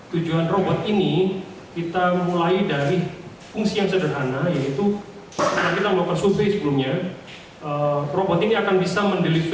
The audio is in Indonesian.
tujuan robot ini kita mulai dari fungsi yang sederhana yaitu